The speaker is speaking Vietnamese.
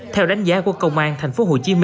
theo đánh giá của công an tp hcm